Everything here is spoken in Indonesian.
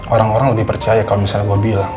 orang orang lebih percaya kalau misalnya gue bilang